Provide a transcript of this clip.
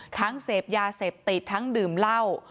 เสพยาเสพติดทั้งดื่มเหล้า